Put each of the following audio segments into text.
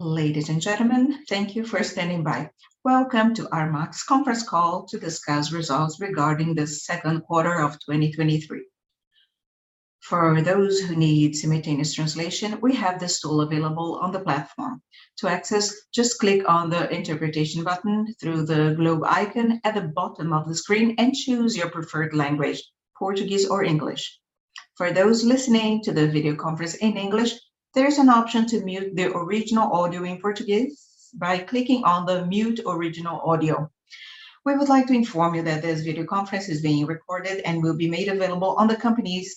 Ladies and gentlemen, thank you for standing by. Welcome to Armac's conference call to discuss results regarding the 2Q 2023. For those who need simultaneous translation, we have this tool available on the platform. To access, just click on the interpretation button through the globe icon at the bottom of the screen and choose your preferred language, Portuguese or English. For those listening to the video conference in English, there's an option to mute the original audio in Portuguese by clicking on the Mute Original Audio. We would like to inform you that this video conference is being recorded and will be made available on the company's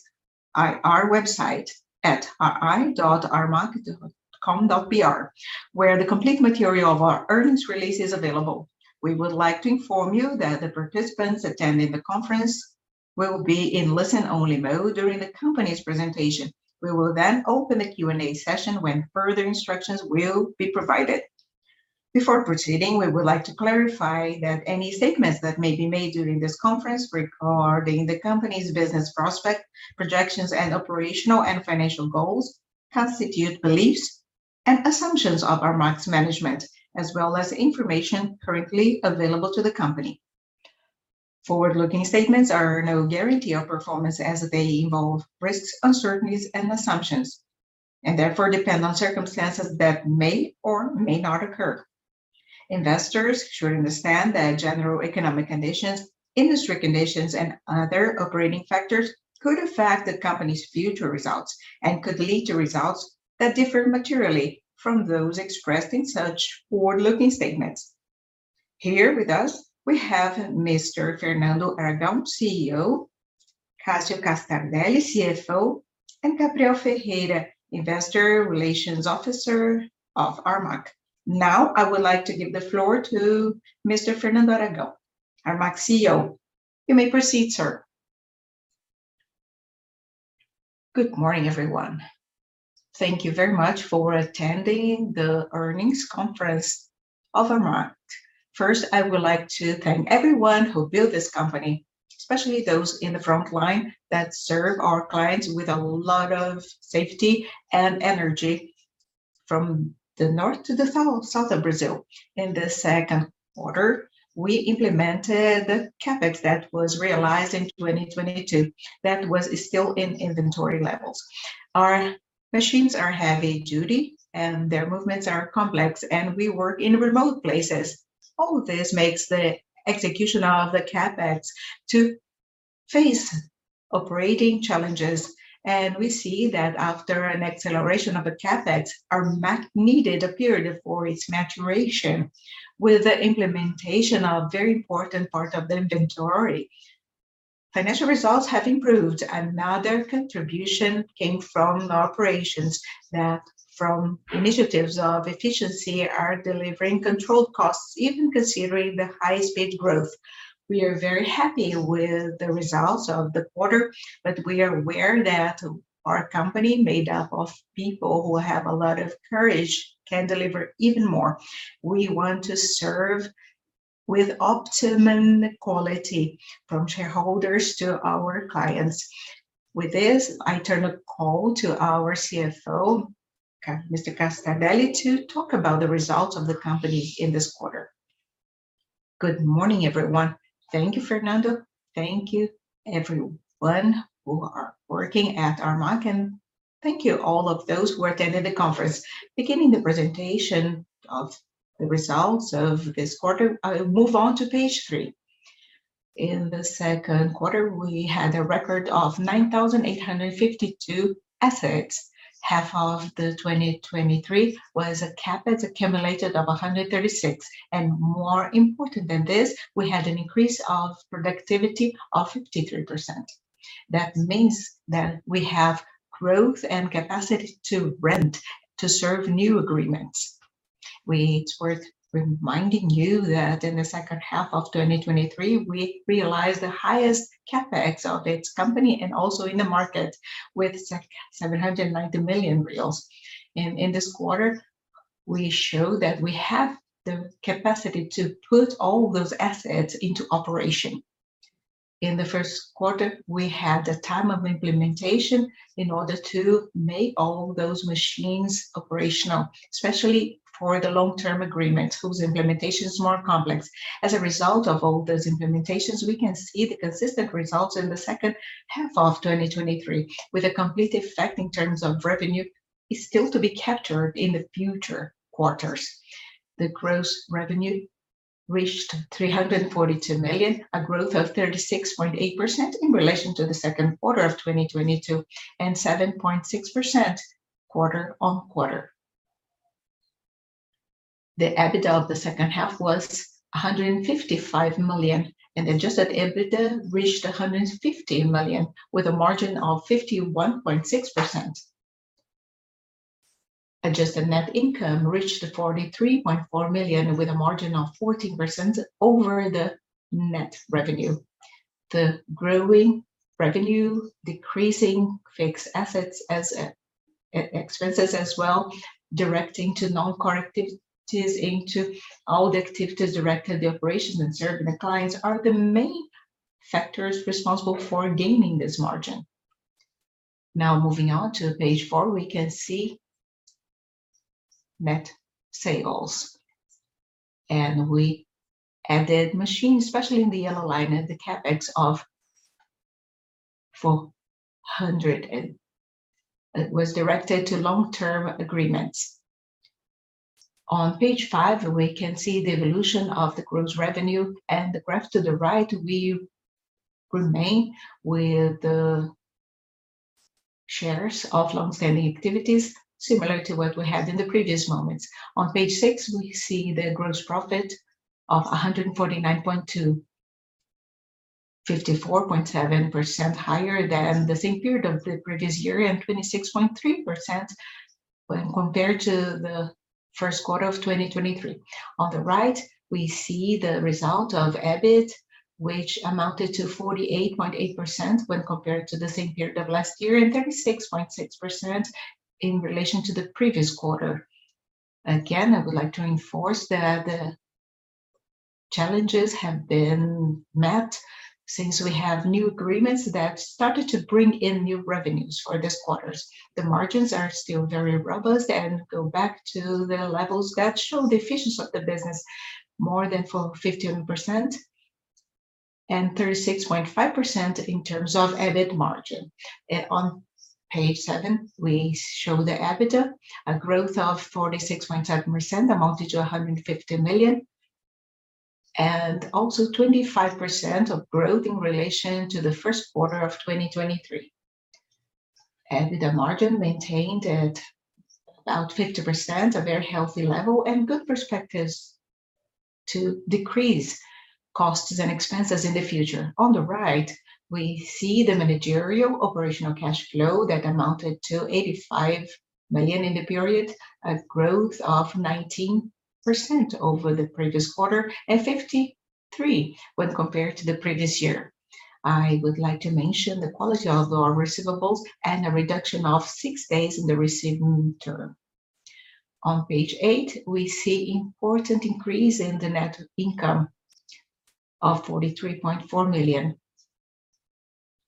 IR website at ir.armac.com.br, where the complete material of our earnings release is available. We would like to inform you that the participants attending the conference will be in listen-only mode during the company's presentation. We will then open the Q&A session, when further instructions will be provided. Before proceeding, we would like to clarify that any statements that may be made during this conference regarding the company's business prospect, projections, and operational and financial goals, constitute beliefs and assumptions of Armac's management, as well as information currently available to the company. Forward-looking statements are no guarantee of performance as they involve risks, uncertainties, and assumptions, and therefore depend on circumstances that may or may not occur. Investors should understand that general economic conditions, industry conditions, and other operating factors could affect the company's future results and could lead to results that differ materially from those expressed in such forward-looking statements. Here with us, we have Mr. Fernando Aragão, CEO; Cássio Castardelli, CFO; and Gabriel Ferreira, Investor Relations Officer of Armac. Now, I would like to give the floor to Mr. Fernando Aragão, Armac's CEO. You may proceed, sir. Good morning, everyone. Thank you very much for attending the earnings conference of Armac. First, I would like to thank everyone who built this company, especially those in the front line that serve our clients with a lot of safety and energy from the north to the south, south of Brazil. In the Q2, we implemented the CapEx that was realized in 2022, that was still in inventory levels. Our machines are heavy duty, and their movements are complex, and we work in remote places. All this makes the execution of the CapEx to face operating challenges, and we see that after an acceleration of the CapEx, Armac needed a period for its maturation with the implementation of very important part of the inventory. Now their contribution came from the operations that, from initiatives of efficiency, are delivering controlled costs, even considering the high-speed growth. We are very happy with the results of the quarter, but we are aware that our company, made up of people who have a lot of courage, can deliver even more. We want to serve with optimum quality, from shareholders to our clients. With this, I turn the call to our CFO, Cássio Castardelli, to talk about the results of the company in this quarter. Good morning, everyone. Thank you, Fernando. Thank you everyone who are working at Armac, and thank you all of those who are attending the conference. Beginning the presentation of the results of this quarter, move on to page 3. In the Q2, we had a record of 9,852 assets. Half of 2023 was a CapEx accumulated of 136, more important than this, we had an increase of productivity of 53%. That means that we have growth and capacity to rent, to serve new agreements. It's worth reminding you that in the second half of 2023, we realized the highest CapEx of its company and also in the market, with 790 million. In this quarter, we show that we have the capacity to put all those assets into operation. In the Q1, we had a time of implementation in order to make all those machines operational, especially for the long-term agreements, whose implementation is more complex. As a result of all those implementations, we can see the consistent results in the second half of 2023, with a complete effect in terms of revenue is still to be captured in the future quarters. The gross revenue reached 342 million, a growth of 36.8% in relation to the Q2 of 2022, and 7.6% quarter-on-quarter. The EBITDA of the second half was 155 million, and the Adjusted EBITDA reached 150 million, with a margin of 51.6%. Adjusted net income reached 43.4 million, with a margin of 14% over the net revenue. The growing revenue, decreasing fixed assets as expenses as well, directing to non-core activities into all the activities directed the operations and serving the clients, are the main factors responsible for gaining this margin. Now moving on to page 4, we can see net sales. We added machines, especially in the yellow line, and the CapEx of 400 and it was directed to long-term agreements. On page 5, we can see the evolution of the gross revenue, and the graph to the right will remain with the shares of long-standing activities, similar to what we had in the previous moments. On page 6, we see the gross profit of 149.2, 54.7% higher than the same period of the previous year, and 26.3% when compared to the Q1 of 2023. On the right, we see the result of EBIT, which amounted to 48.8% when compared to the same period of last year, and 36.6% in relation to the previous quarter. Again, I would like to reinforce that the challenges have been met since we have new agreements that started to bring in new revenues for this quarters. The margins are still very robust and go back to the levels that show the efficiency of the business more than for 15% and 36.5% in terms of EBIT margin. On page 7, we show the EBITDA, a growth of 46.7%, amounted to 150 million, and also 25% of growth in relation to the Q1 of 2023. The margin maintained at about 50%, a very healthy level, and good perspectives to decrease costs and expenses in the future. On the right, we see the managerial operational cash flow that amounted to 85 million in the period, a growth of 19% over the previous quarter, and 53% when compared to the previous year. I would like to mention the quality of our receivables and a reduction of 6 days in the receiving term. On page 8, we see important increase in the net income of 43.4 million.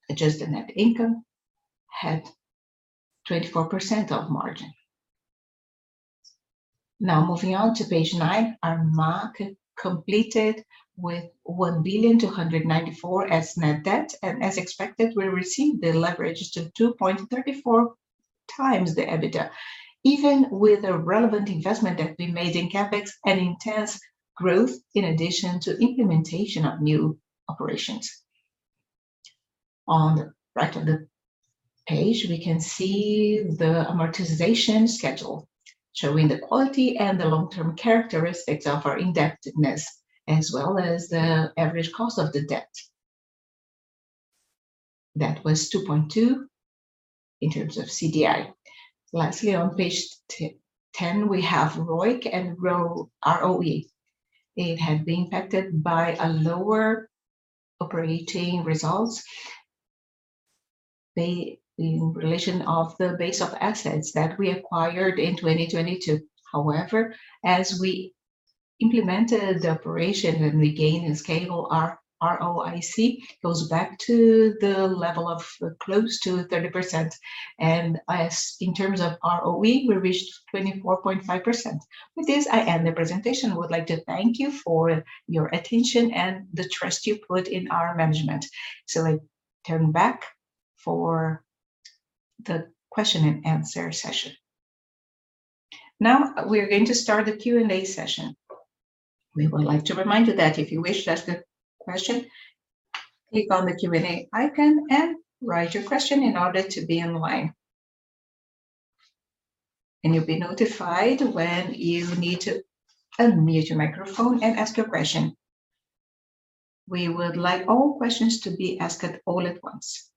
Adjusted net income had 24% of margin. Now, moving on to page 9, Armac completed with 1.294 billion as net debt, and as expected, we received the leverage to 2.34x the EBITDA, even with a relevant investment that we made in CapEx and intense growth, in addition to implementation of new operations. On the right of the page, we can see the amortization schedule, showing the quality and the long-term characteristics of our indebtedness, as well as the average cost of the debt. That was 2.2x CDI. Lastly, on page 10, we have ROIC and ROE. It had been impacted by a lower operating results in relation of the base of assets that we acquired in 2022. However, as we implemented the operation and we gain in scale, our ROIC goes back to the level of close to 30%, and as in terms of ROE, we reached 24.5%. With this, I end the presentation. I would like to thank you for your attention and the trust you put in our management. I turn back for the question and answer session. Now, we are going to start the Q&A session. We would like to remind you that if you wish to ask a question, click on the Q&A icon and write your question in order to be online. You'll be notified when you need to unmute your microphone and ask your question. We would like all questions to be asked at all at once.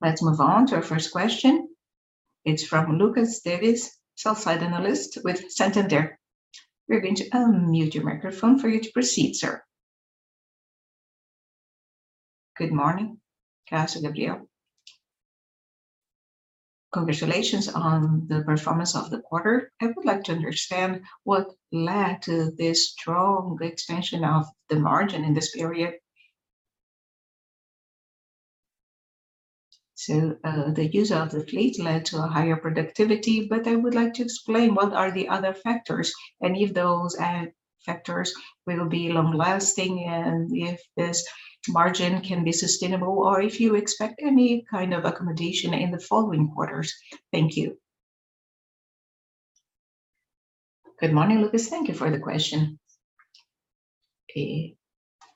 Let's move on to our first question. It's from Lucas Davis, sell-side analyst with Santander. We're going to unmute your microphone for you to proceed, sir. Good morning, Cássio, Gabriel. Congratulations on the performance of the quarter. I would like to understand what led to this strong expansion of the margin in this period. The use of the fleet led to a higher productivity, but I would like to explain what are the other factors, and if those factors will be long-lasting, and if this margin can be sustainable, or if you expect any kind of accommodation in the following quarters. Thank you. Good morning, Lucas. Thank you for the question. Okay.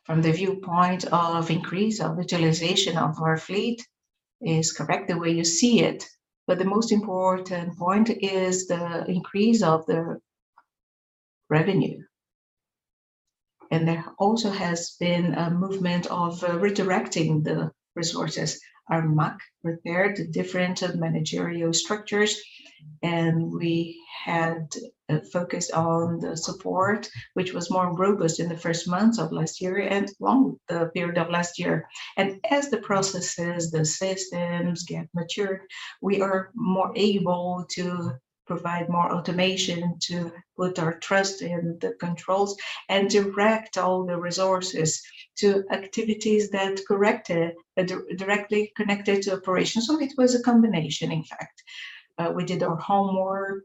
From the viewpoint of increase of utilization of our fleet is correct the way you see it, but the most important point is the increase of the revenue. There also has been a movement of redirecting the resources. Armac prepared the different managerial structures.... We had focused on the support, which was more robust in the first months of last year and along the period of last year. As the processes, the systems get matured, we are more able to provide more automation, to put our trust in the controls, and direct all the resources to activities that corrected directly connected to operations. It was a combination, in fact. We did our homework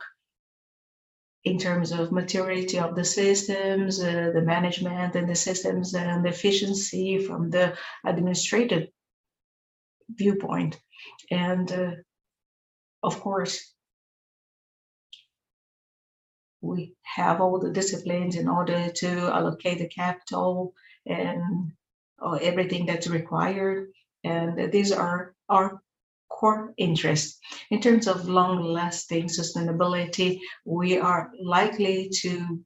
in terms of maturity of the systems, the management and the systems, and the efficiency from the administrative viewpoint. Of course, we have all the disciplines in order to allocate the capital and, or everything that's required, and these are our core interests. In terms of long-lasting sustainability, we are likely to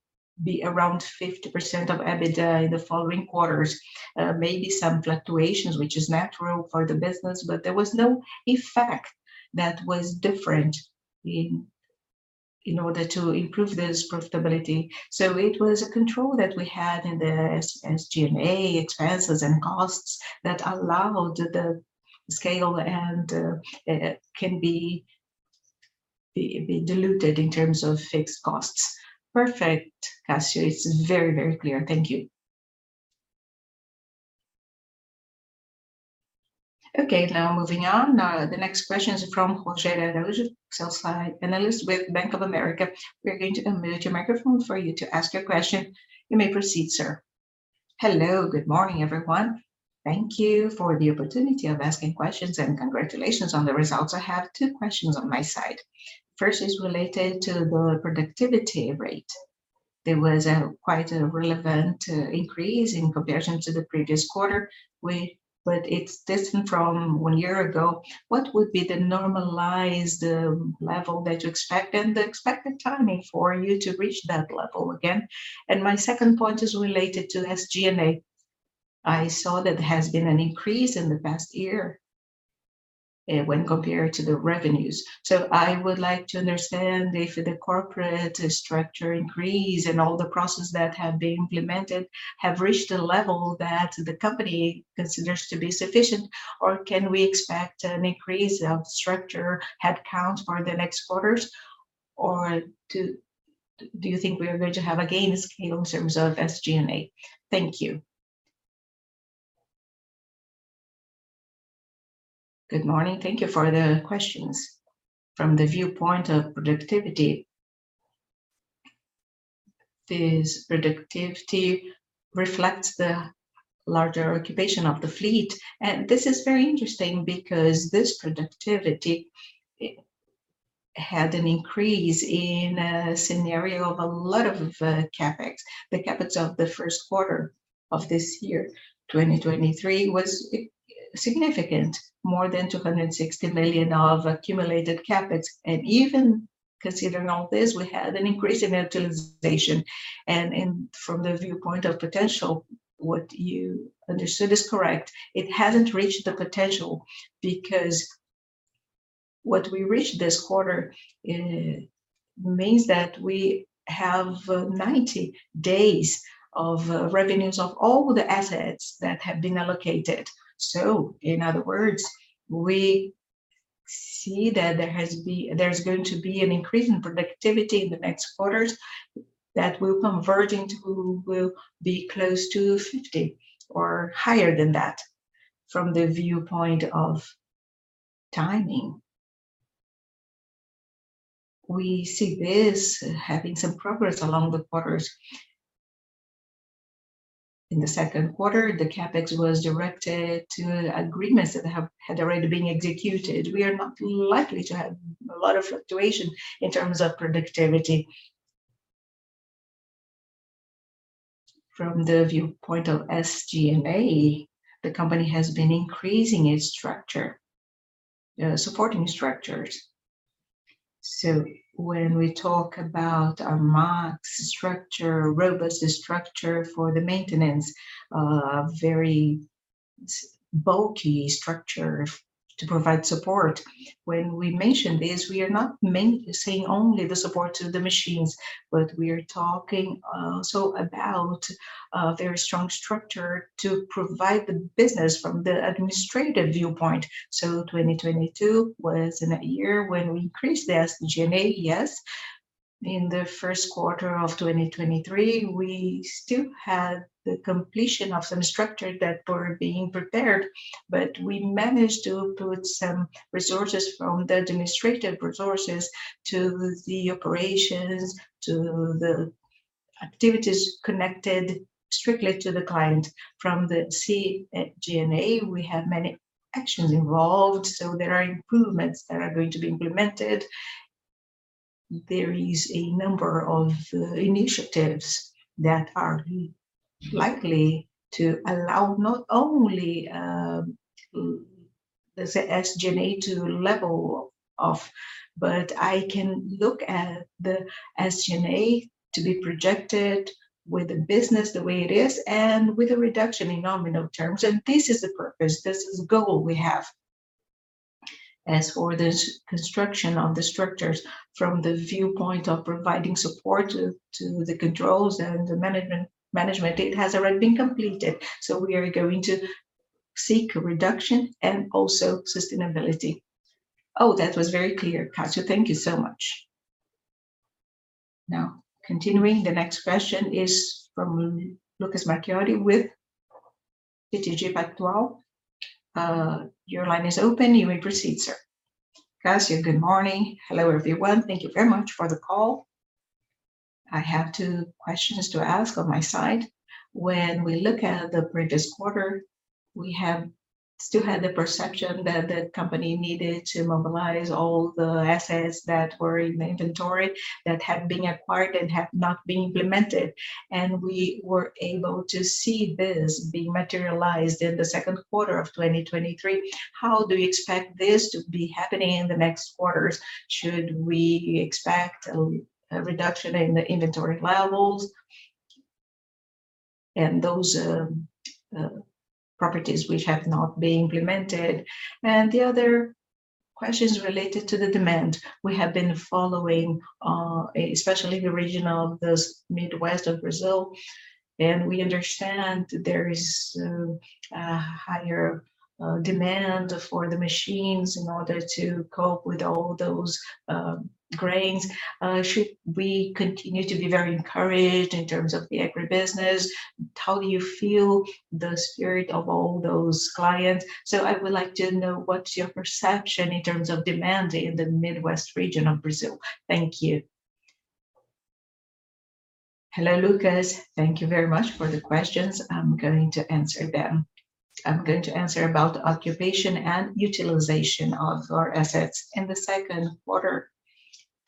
be around 50% of EBITDA in the following quarters. Maybe some fluctuations, which is natural for the business, but there was no effect that was different in, in order to improve this profitability. It was a control that we had in the SG&A expenses and costs that allowed the scale, and it can be diluted in terms of fixed costs. Perfect, Cassio. It's very, very clear. Thank you. Okay, now moving on. The next question is from Jorge Araujo, sell-slide analyst with Bank of America. We are going to unmute your microphone for you to ask your question. You may proceed, sir. Hello. Good morning, everyone. Thank you for the opportunity of asking questions, and congratulations on the results. I have two questions on my side. First is related to the productivity rate. There was quite a relevant increase in comparison to the previous quarter, it's distant from one year ago. What would be the normalized level that you expect, and the expected timing for you to reach that level again? My second point is related to SG&A. I saw that there has been an increase in the past year when compared to the revenues. I would like to understand if the corporate structure increase and all the processes that have been implemented have reached a level that the company considers to be sufficient, or can we expect an increase of structure headcount for the next quarters, or do, do you think we are going to have a gain scale in terms of SG&A? Thank you. Good morning. Thank you for the questions. From the viewpoint of productivity, this productivity reflects the larger occupation of the fleet, this is very interesting because this productivity, it had an increase in a scenario of a lot of CapEx. The CapEx of the Q1 of this year, 2023, was significant, more than 260 million of accumulated CapEx. Even considering all this, we had an increase in utilization. From the viewpoint of potential, what you understood is correct. It hasn't reached the potential, because what we reached this quarter means that we have 90 days of revenues of all the assets that have been allocated. In other words, we see that there's going to be an increase in productivity in the next quarters that will convert into... will be close to 50 or higher than that. From the viewpoint of timing, we see this having some progress along the quarters. In the Q2, the CapEx was directed to agreements that had already been executed. We are not likely to have a lot of fluctuation in terms of productivity. From the viewpoint of SG&A, the company has been increasing its structure, supporting structures. When we talk about a marked structure, robust structure for the maintenance, a very bulky structure to provide support, when we mention this, we are not saying only the support to the machines, but we are talking also about a very strong structure to provide the business from the administrative viewpoint. 2022 was in a year when we increased the SG&A, yes. In the Q1 of 2023, we still had the completion of some structure that were being prepared, but we managed to put some resources from the administrative resources to the operations, to the activities connected strictly to the client. From the SG&A, we have many actions involved, so there are improvements that are going to be implemented. There is a number of initiatives that are likely to allow not only, let's say, SG&A to level off, but I can look at the SG&A to be projected with the business the way it is, and with a reduction in nominal terms, and this is the purpose, this is the goal we have.... As for the construction of the structures from the viewpoint of providing support to the controls and the management, it has already been completed, so we are going to seek a reduction and also sustainability. That was very clear, Cássio, thank you so much. Now, continuing, the next question is from Lucas Marquiori, with BTG Pactual. Your line is open. You may proceed, sir. Cássio, good morning. Hello, everyone. Thank you very much for the call. I have two questions to ask on my side. When we look at the previous quarter, we have still had the perception that the company needed to mobilize all the assets that were in the inventory, that had been acquired and have not been implemented, and we were able to see this being materialized in the Q2 of 2023. How do you expect this to be happening in the next quarters? Should we expect a reduction in the inventory levels and those properties which have not been implemented? The other question is related to the demand. We have been following especially the region of the Midwest of Brazil, and we understand there is a higher demand for the machines in order to cope with all those grains. Should we continue to be very encouraged in terms of the agribusiness? How do you feel the spirit of all those clients? I would like to know, what's your perception in terms of demand in the Midwest region of Brazil? Thank you. Hello, Lucas. Thank you very much for the questions. I'm going to answer them. I'm going to answer about occupation and utilization of our assets. In the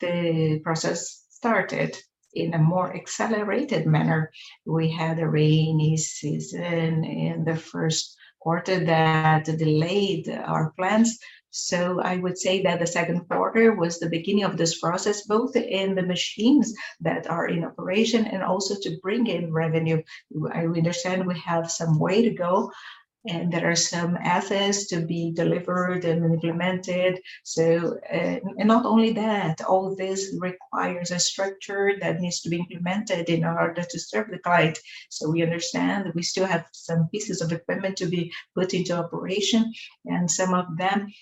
Q2, the process started in a more accelerated manner. We had a rainy season in the Q1 that delayed our plans, so I would say that the Q2 was the beginning of this process, both in the machines that are in operation and also to bring in revenue. I understand we have some way to go, and there are some assets to be delivered and implemented. Not only that, all this requires a structure that needs to be implemented in order to serve the client. We understand that we still have some pieces of equipment to be put into operation, and some of them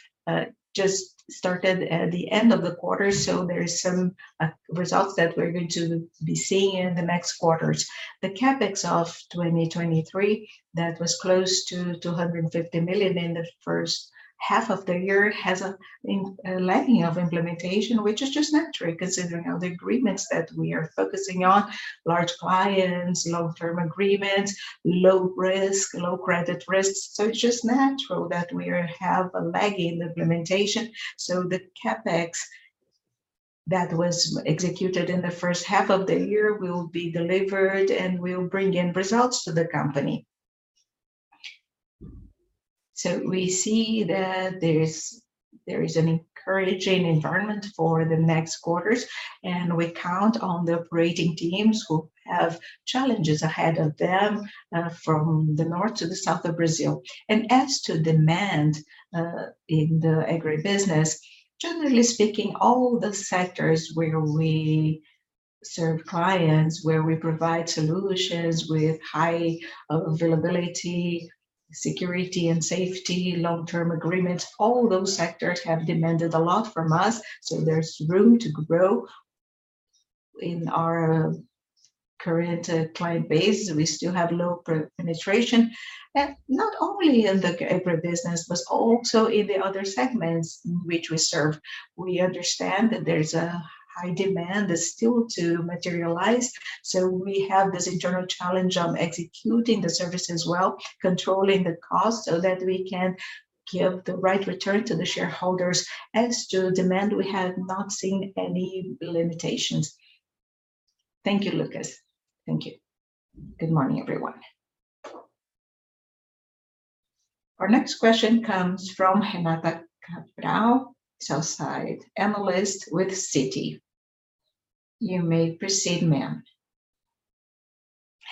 just started at the end of the quarter, so there is some results that we're going to be seeing in the next quarters. The CapEx of 2023, that was close to 250 million in the first half of the year, has a lagging of implementation, which is just natural, considering all the agreements that we are focusing on: large clients, long-term agreements, low risk, low credit risk. It's just natural that we are have a lag in the implementation, so the CapEx that was executed in the first half of the year will be delivered and will bring in results to the company. We see that there is, there is an encouraging environment for the next quarters, and we count on the operating teams, who have challenges ahead of them, from the north to the south of Brazil. As to demand, in the agribusiness, generally speaking, all the sectors where we serve clients, where we provide solutions with high availability, security and safety, long-term agreements, all those sectors have demanded a lot from us. There's room to grow. In our current client base, we still have low penetration, and not only in the agribusiness, but also in the other segments which we serve. We understand that there's a high demand that's still to materialize. We have this internal challenge of executing the service as well, controlling the cost, so that we can give the right return to the shareholders. As to demand, we have not seen any limitations. Thank you, Lucas. Thank you. Good morning, everyone. Our next question comes from Renata Cabral, sell-side analyst with Citi. You may proceed, ma'am.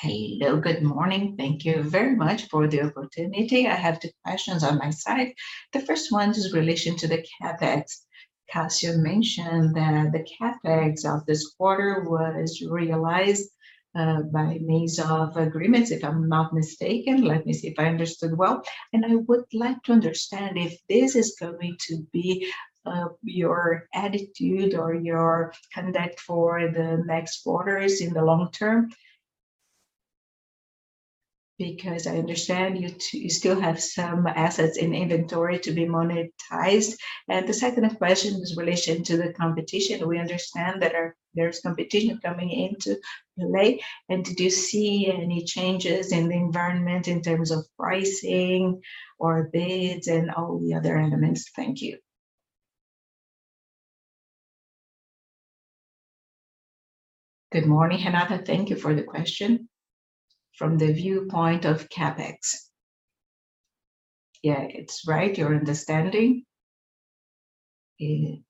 Hello, good morning. Thank you very much for the opportunity. I have two questions on my side. The first one is in relation to the CapEx. Cássio mentioned that the CapEx of this quarter was realized by means of agreements, if I'm not mistaken. Let me see if I understood well, I would like to understand if this is going to be your attitude or your conduct for the next quarters in the long term, because I understand you still have some assets in inventory to be monetized. The second question is in relation to the competition. We understand that there's competition coming in to relay, and did you see any changes in the environment in terms of pricing or bids and all the other elements? Thank you. Good morning, Renata. Thank you for the question. From the viewpoint of CapEx... Yeah, it's right, your understanding... The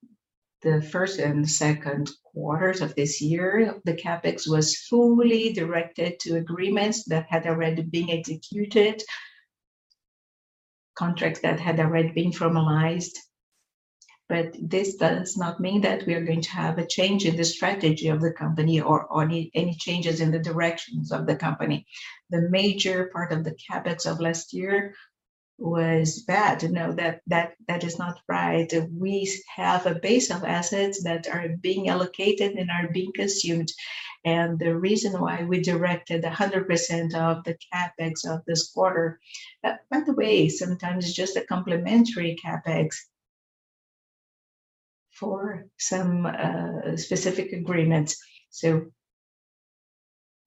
1st and 2nd quarters of this year, the CapEx was fully directed to agreements that had already been executed, contracts that had already been formalized. This does not mean that we are going to have a change in the strategy of the company or, or any, any changes in the directions of the company. The major part of the CapEx of last year was bad. No, that, that, that is not right. We have a base of assets that are being allocated and are being consumed. The reason why we directed 100% of the CapEx of this quarter... By the way, sometimes it's just a complementary CapEx for some specific agreements.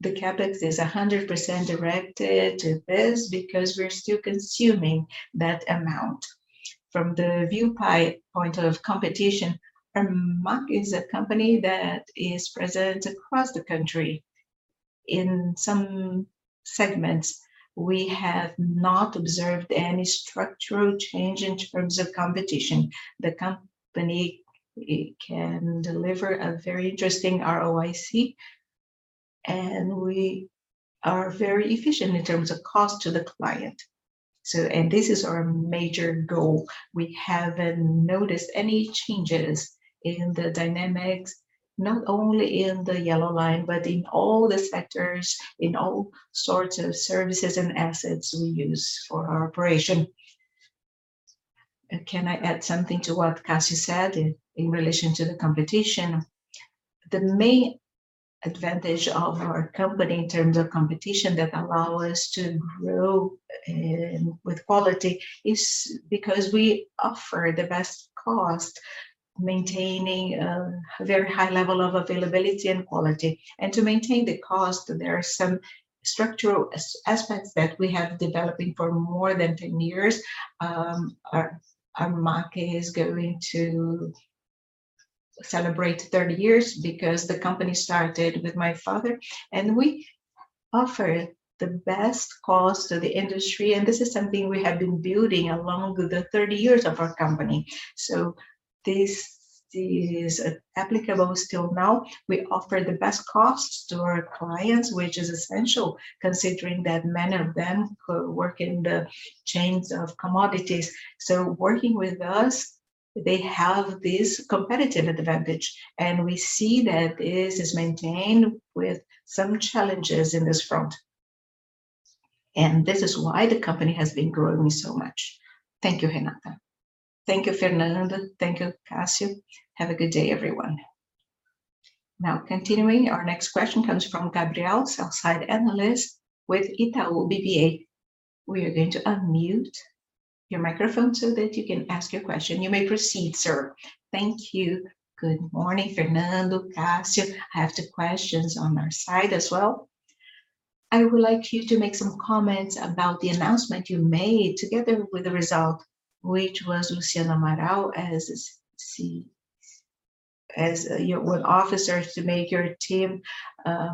The CapEx is 100% directed to this because we're still consuming that amount. From the viewpoint, point of competition, Armac is a company that is present across the country. In some segments, we have not observed any structural change in terms of competition. The company, it can deliver a very interesting ROIC, and we are very efficient in terms of cost to the client. This is our major goal. We haven't noticed any changes in the dynamics, not only in the yellow line, but in all the sectors, in all sorts of services and assets we use for our operation. Can I add something to what Cássio said in relation to the competition? The main advantage of our company in terms of competition that allow us to grow with quality, is because we offer the best cost, maintaining a very high level of availability and quality. To maintain the cost, there are some structural aspects that we have developing for more than 10 years. Armac is going to celebrate 30 years, because the company started with my father, we offer the best cost to the industry, this is something we have been building along the 30 years of our company. This is applicable still now. We offer the best cost to our clients, which is essential, considering that many of them work in the chains of commodities. Working with us, they have this competitive advantage, and we see that this is maintained with some challenges in this front. This is why the company has been growing so much. Thank you, Renata. Thank you, Fernando. Thank you, Cassio. Have a good day, everyone. Continuing, our next question comes from Gabriel Salce, analyst with Itaú BBA. We are going to unmute your microphone so that you can ask your question. You may proceed, sir. Thank you. Good morning, Fernando, Cássio. I have two questions on our side as well. I would like you to make some comments about the announcement you made together with the result, which was Luciana Marão as your Officer, to make your team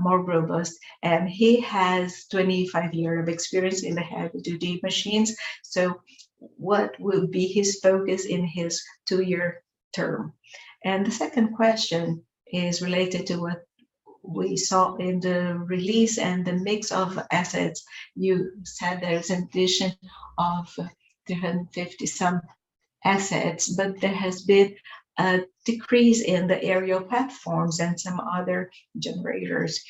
more robust, and he has 25 years of experience in the heavy duty machines. What will be his focus in his 2-year term? The second question is related to what we saw in the release and the mix of assets. You said there's addition of 350 some assets, but there has been a decrease in the aerial platforms and some other generators.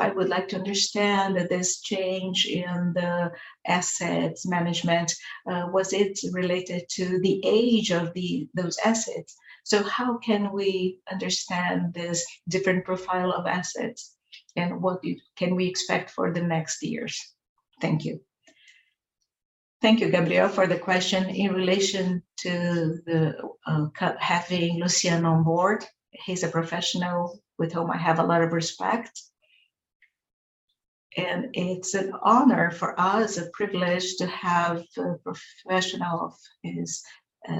I would like to understand this change in the assets management, was it related to the age of those assets? How can we understand this different profile of assets, and what can we expect for the next years? Thank you. Thank you, Gabriel, for the question. In relation to the having Luciana on board, he's a professional with whom I have a lot of respect, and it's an honor for us, a privilege to have a professional of his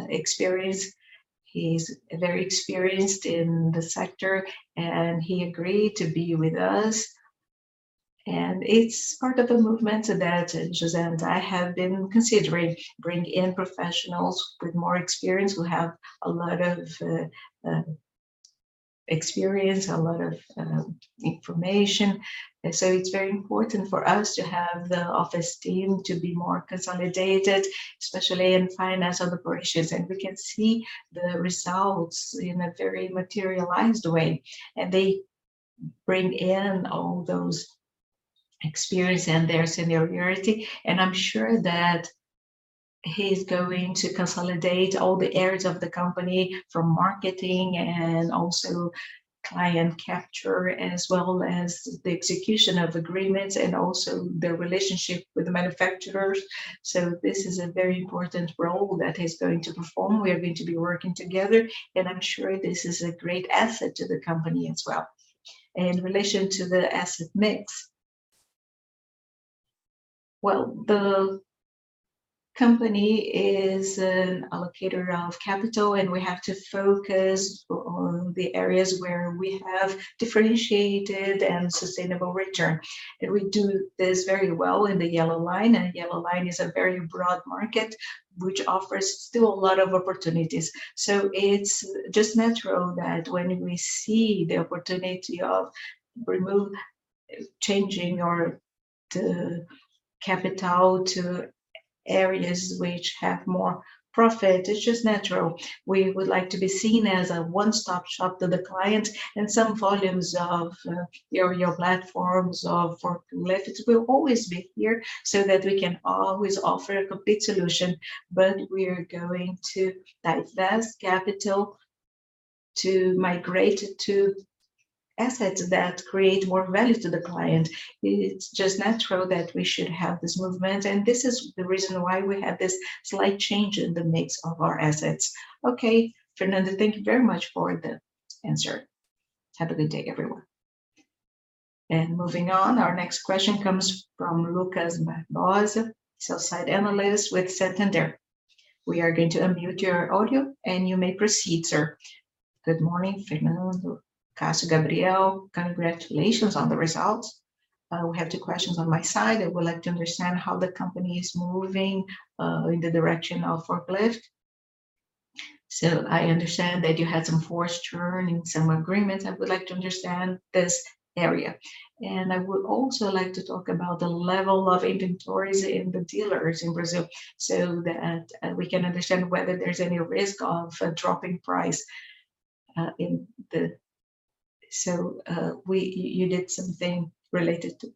experience. He's very experienced in the sector, and he agreed to be with us, and it's part of a movement that José and I have been considering, bring in professionals with more experience, who have a lot of experience, a lot of information. It's very important for us to have the office team to be more consolidated, especially in finance operations. We can see the results in a very materialized way. They bring in all that experience and their seniority. I'm sure that he's going to consolidate all the areas of the company, from marketing and client capture, as well as the execution of agreements and the relationship with the manufacturers. This is a very important role that he's going to perform. We are going to be working together. I'm sure this is a great asset to the company as well. In relation to the asset mix, well, the company is an allocator of capital. We have to focus on the areas where we have differentiated and sustainable return. We do this very well in the yellow line. Yellow line is a very broad market, which offers still a lot of opportunities. It's just natural that when we see the opportunity of changing our, the capital to areas which have more profit. It's just natural. We would like to be seen as a one-stop shop to the client, and some volumes of your, your platforms of forklifts will always be here, so that we can always offer a complete solution. We are going to divest capital to migrate to assets that create more value to the client. It's just natural that we should have this movement, and this is the reason why we have this slight change in the mix of our assets. Okay, Fernando, thank you very much for the answer. Have a good day, everyone. Moving on, our next question comes from Lucas Barbosa, sell-side analyst with Santander. We are going to unmute your audio, and you may proceed, sir. Good morning, Fernando, Cássio, Gabriel. Congratulations on the results. We have two questions on my side. I would like to understand how the company is moving in the direction of forklift. I understand that you had some forced turn in some agreements. I would like to understand this area, and I would also like to talk about the level of inventories in the dealers in Brazil so that we can understand whether there's any risk of a dropping price in the... You, you did something related to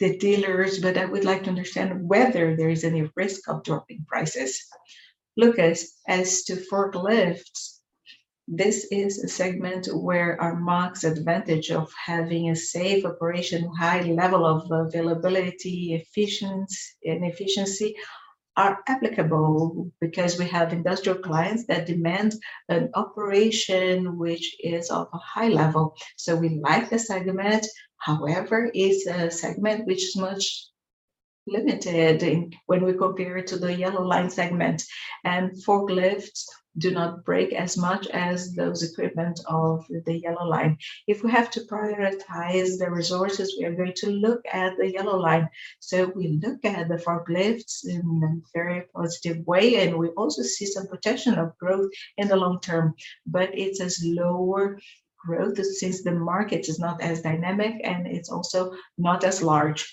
the dealers, but I would like to understand whether there is any risk of dropping prices. Lucas, as to forklifts, this is a segment where our max advantage of having a safe operation, high level of availability, efficiency, and efficiency are applicable because we have industrial clients that demand an operation which is of a high level. We like the segment. However, it's a segment which is much limited in, when we compare it to the yellow line segment. Forklifts do not break as much as those equipment of the yellow line. If we have to prioritize the resources, we are going to look at the yellow line. We look at the forklifts in a very positive way, and we also see some potential of growth in the long term, but it's a slower growth since the market is not as dynamic and it's also not as large.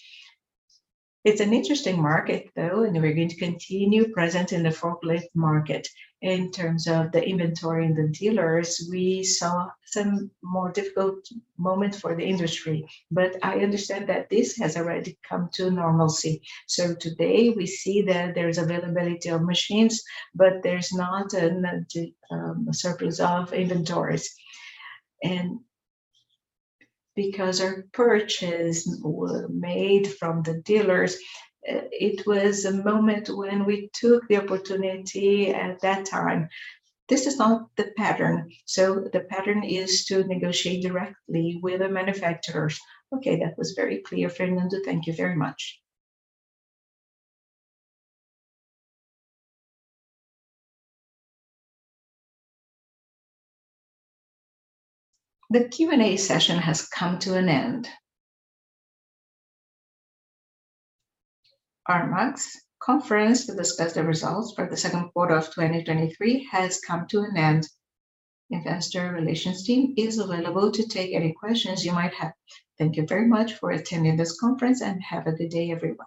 It's an interesting market, though, and we're going to continue present in the forklift market. In terms of the inventory and the dealers, we saw some more difficult moments for the industry, but I understand that this has already come to normalcy. Today, we see that there is availability of machines, but there's not a surplus of inventories. Because our purchases were made from the dealers, it was a moment when we took the opportunity at that time. This is not the pattern, so the pattern is to negotiate directly with the manufacturers. Okay, that was very clear, Fernando. Thank you very much. The Q&A session has come to an end. Our next conference to discuss the results for the Q2 of 2023 has come to an end. Investor relations team is available to take any questions you might have. Thank you very much for attending this conference, and have a good day, everyone.